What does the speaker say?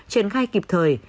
truyền khai kịp thời